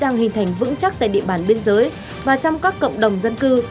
màn vững chắc tại địa bàn biên giới và trong các cộng đồng dân cư